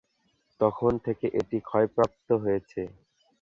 তখন থেকে এটি ক্ষয়প্রাপ্ত হয়েছে।